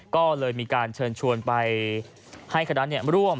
ก็เลยมีการเชิญชวนไปให้คณะร่วม